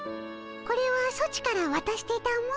これはソチからわたしてたも。